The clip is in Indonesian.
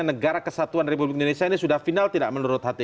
negara kesatuan republik indonesia ini sudah final tidak menurut hti